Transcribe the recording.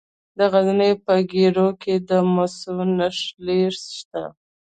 د غزني په ګیرو کې د مسو نښې شته.